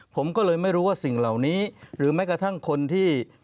ผมก็เลยไม่รู้ว่าสิ่งเหล่านี้หรือแม้กระทั่งคนที่